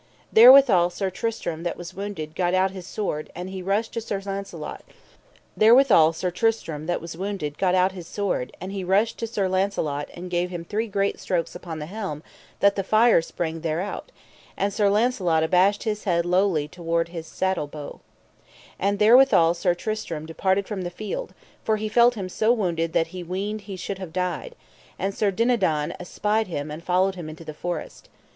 Therewithal Sir Tristram that was wounded gat out his sword, and he rushed to Sir Launcelot, and gave him three great strokes upon the helm that the fire sprang thereout, and Sir Launcelot abashed his head lowly toward his saddle bow. And therewithal Sir Tristram departed from the field, for he felt him so wounded that he weened he should have died; and Sir Dinadan espied him and followed him into the forest.